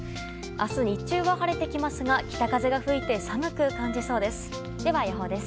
明日、日中は晴れてきますが北風が吹いて寒く感じそうです。